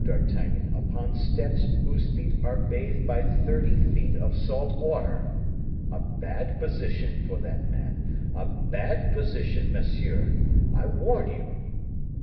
d'Artagnan upon steps whose feet are bathed by thirty feet of salt water; a bad position for that man, a bad position, monsieur! I warn you."